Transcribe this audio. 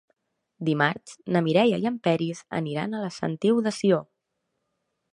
Dimarts na Mireia i en Peris aniran a la Sentiu de Sió.